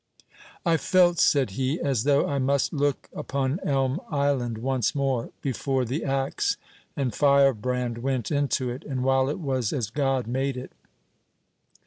"I felt," said he, "as though I must look upon Elm Island once more, before the axe and firebrand went into it, and while it was as God made it.